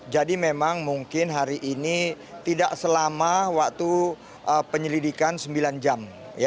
jadi memang mungkin hari ini tidak selama waktu penyelidikan sembilan jam